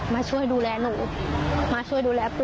มาช่วยดูแลหนูมาช่วยดูแลปู่